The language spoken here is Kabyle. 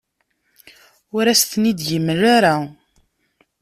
Ur as-ten-id-yemla ara.